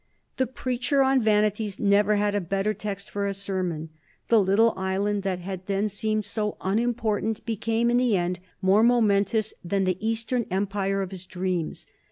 The Preacher on Vanities never had a better text for a sermon. The "little island" that had then seemed so unimportant became in the end more momentous than the Eastern Empire of his dreams.